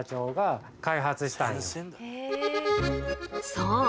そう！